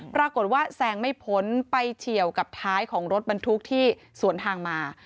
ปรากฏว่าแซงไม่พ้นไปเฉียวกับท้ายของรถบรรทุกที่สวนทางมา